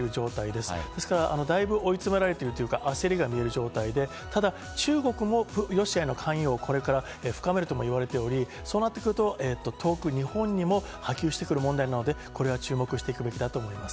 ですから、だいぶ追い詰められているというか、焦りが見える状態で、ただ、中国もロシアへの関与をこれから深めるとも言われており、そうなってくると遠く日本にも波及してくる問題なので、これは注目していくべきだと思います。